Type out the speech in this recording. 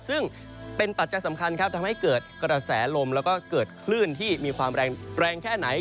ซึ่งเป็นปัจจัยสำคัญครับทำให้เกิดกระแสลมแล้วก็เกิดคลื่นที่มีความแรงแค่ไหน